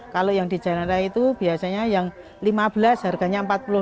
kalau yang di jalan raya itu biasanya yang lima belas harganya empat puluh lima